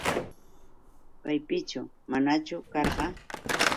¿Paypichu manachu karqa?